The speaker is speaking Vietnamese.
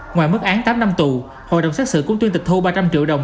ngoài mức án tám năm tù hội đồng xác sự cũng tuyên tịch thu ba trăm linh triệu đồng